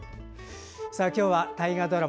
今日は大河ドラマ